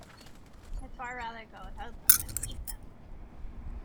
I’d far rather go without them than eat them!